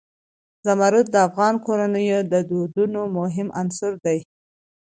زمرد د افغان کورنیو د دودونو مهم عنصر دی.